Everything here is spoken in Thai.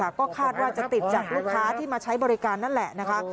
ก็คาดว่าจะติดจากลูกค้าที่มาใช้บริการนั่นแหละนะคะ